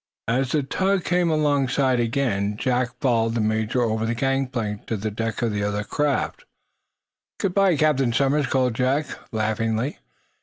As the tug came alongside again Jack followed the major over the gang plank to the deck of the other craft. "Good bye, Captain Somers," called Jack, laughingly.